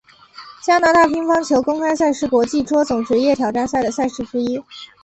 加拿大乒乓球公开赛是国际桌总职业挑战赛的赛事之一。